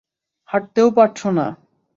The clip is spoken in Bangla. হাঁটতেও পারছ না।